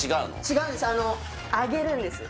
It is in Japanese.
違うんです